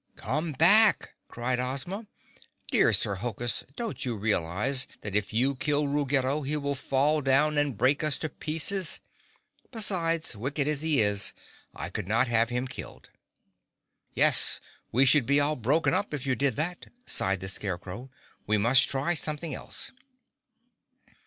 "Come back!" cried Ozma. "Dear Sir Hokus, don't you realize that if you kill Ruggedo he will fall down and break us to pieces? Besides, wicked as he is, I could not have him killed." "Yes, we should be all broken up if you did that," sighed the Scarecrow. "We must try something else."